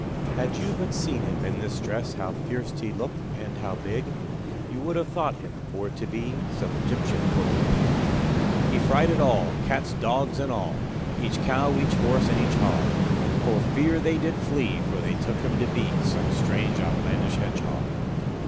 "Had you but seen him in this dress, How fierce he looked and how big, You would have thought him for to be Some Egyptian porcupig. He frighted all cats, dogs, and all, Each cow, each horse, and each hog; For fear they did flee, for they took him to be Some strange outlandish hedgehog."